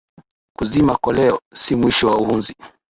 Kuzima koleo si mwisho wa uhunzi